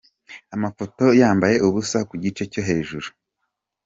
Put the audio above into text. Amafoto yambaye ubusa kugice cyo hejuru.